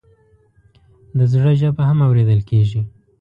د زړه ژبه هم اورېدل کېږي.